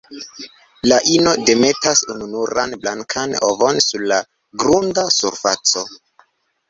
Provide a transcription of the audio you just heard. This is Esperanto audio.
La ino demetas ununuran blankan ovon sur la grunda surfaco.